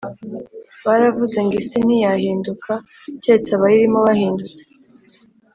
Baravuze ngo isi ntiyahinduka keretse abayirimo bahindutse